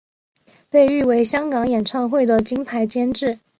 被誉为香港演唱会的金牌监制。